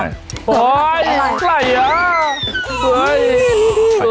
โอ๊ยอะไรเหรอ